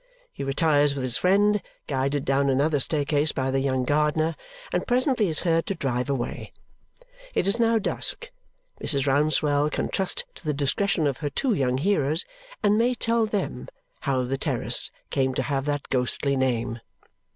He retires with his friend, guided down another staircase by the young gardener, and presently is heard to drive away. It is now dusk. Mrs. Rouncewell can trust to the discretion of her two young hearers and may tell THEM how the terrace came to have that ghostly name.